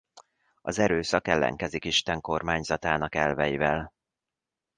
Az erőszak ellenkezik Isten kormányzatának elveivel.